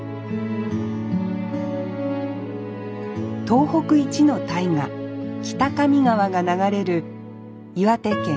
東北一の大河北上川が流れる岩手県